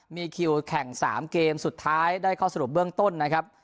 มีคิวแข่ง๓เกมสุดท้ายได้ข้อสรุปเบื้องต้นนะครับ